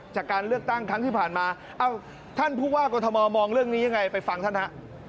จากการเลือกตั้งครั้งที่ผ่านมาเอ้าท่านผู้ว่ากรทมมองเรื่องนี้ยังไงไปฟังท่านฮะ